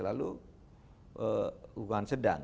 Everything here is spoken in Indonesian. lalu hukuman sedang